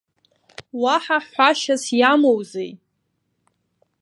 Уаҳа ҳәашьас иамоузеи?